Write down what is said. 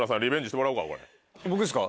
僕ですか。